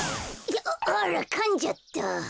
ああらかんじゃった。